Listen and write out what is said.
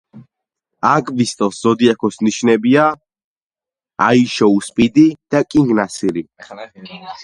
აგვისტოს ზოდიაქოს ნიშნებია ლომი და ქალწული.